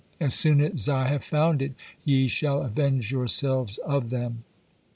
As soon as I have found it, ye shall avenge yourselves of them."